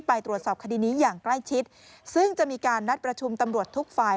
ไปตรวจสอบคดีนี้อย่างใกล้ชิดซึ่งจะมีการนัดประชุมตำรวจทุกฝ่าย